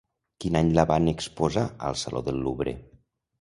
Quin any la van exposar al Saló del Louvre?